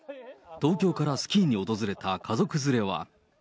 東京からスキーに訪れた家族連れは。